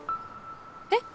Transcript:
えっ？